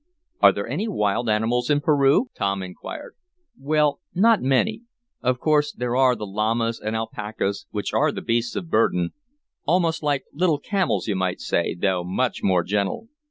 "Are there any wild animals in Peru?" Tom inquired. "Well, not many. Of course there are the llamas and alpacas, which are the beasts of burden almost like little camels you might say, though much more gentle.